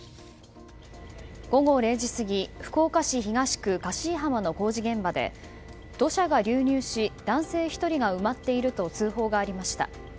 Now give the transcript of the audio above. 午後０時過ぎ福岡市東区香椎浜の工事現場で土砂が流入し男性１人が埋まっていると通報がありました。